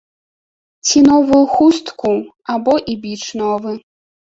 Ці новую хустку, або і біч новы!